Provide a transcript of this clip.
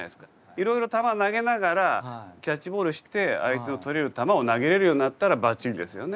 いろいろ球投げながらキャッチボールして相手の捕れる球を投げれるようになったらばっちりですよね。